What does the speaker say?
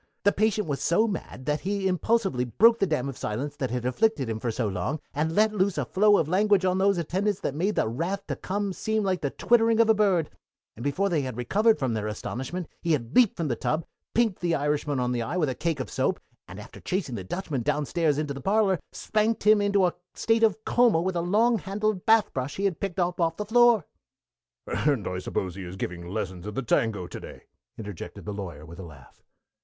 The patient was so mad that he impulsively broke the dam of silence that had afflicted him for so long and let loose a flow of language on those attendants that made the wrath to come seem like the twittering of a bird; and before they had recovered from their astonishment he had leaped from the tub, pinked the Irishman on the eye with a cake of soap, and, after chasing the Dutchman downstairs into the parlor, spanked him into a state of coma with a long handled bath brush he had picked up off the floor." "And I suppose he is giving lessons in the tango to day!" interjected the Lawyer, with a laugh.